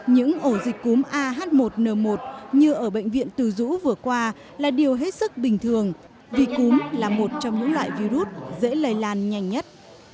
những ổ dịch cúm ah một n một như ở bệnh viện từ dũ vừa qua là điều hết sức bình thường vì cúm là một trong những loại virus dễ lây lan nhanh nhất